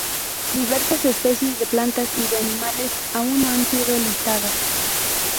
Diversas especies de plantas y de animales, aún no han sido listadas.